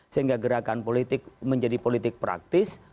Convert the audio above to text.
sehingga gerakan politik menjadi politik praktis